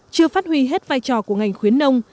chưa phát huy hết vai trò của ngành khuyến nông